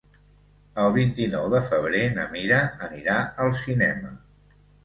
El vint-i-nou de febrer na Mira anirà al cinema.